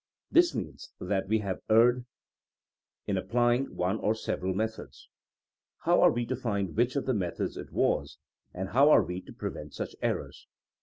This means that we have erred in applying one or several methods. How are we to find which of the methods it was, and how are we to prevent such errors